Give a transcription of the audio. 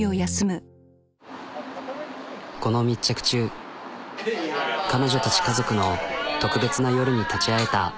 この密着中彼女たち家族の特別な夜に立ち会えた。